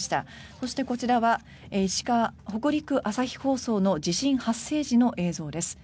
そして、こちらは北陸朝日放送の地震発生時の映像です。